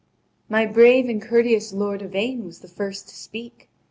My brave and courteous lord Yvain was the first to speak.